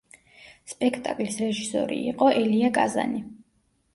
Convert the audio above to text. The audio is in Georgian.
სპექტაკლის რეჟისორი იყო ელია კაზანი.